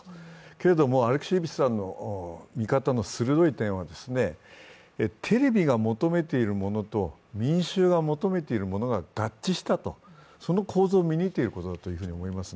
けれどもアレクシエーヴィッチさんの見方の鋭い点はテレビが求めているものと民衆が求めているものが合致したと、この構造を見抜いているということだと思います。